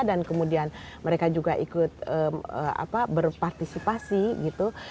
dan kemudian mereka juga ikut berpartisipasi gitu